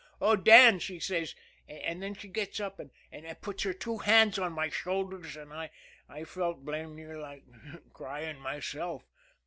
'Oh, Dan!' she says, and then she gets up and puts her two hands on my shoulders, and I felt blamed near like crying myself.